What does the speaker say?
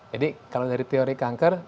jadi kalau dari teori kanker